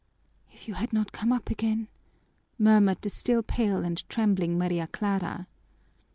"If you had not come up again " murmured the still pale and trembling Maria Clara.